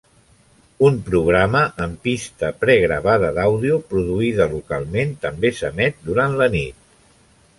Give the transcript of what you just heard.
Un programa amb pista pre-gravada d'àudio produïda localment també s'emet durant la nit.